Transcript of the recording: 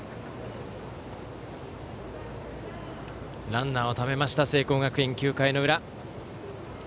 ランナーをためました、聖光学院９回の裏。